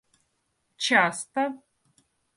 часто